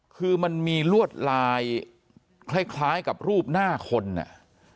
คือมันมีลวดลายคล้ายกับรูปหน้าคนอ่ะ